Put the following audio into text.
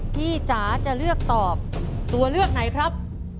จ๋าจะเลือกตอบตัวเลือกไหนครับ